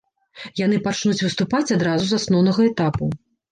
Яны пачнуць выступаць адразу з асноўнага этапу.